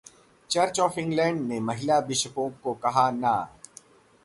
church of England ने महिला बिशपों को कहा ‘ना’